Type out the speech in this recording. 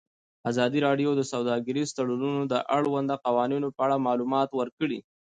ازادي راډیو د سوداګریز تړونونه د اړونده قوانینو په اړه معلومات ورکړي.